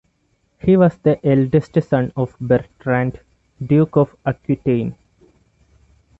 He was the eldest son of Bertrand, Duke of Aquitaine.